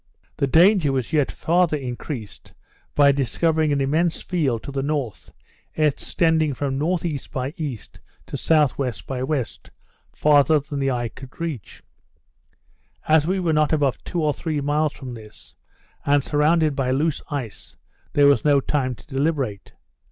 The danger was yet farther increased by discovering an immense field to the north, extending from N.E. by E. to S.W. by W. farther than the eye could reach. As we were not above two or three miles from this, and surrounded by loose ice, there was no time to deliberate.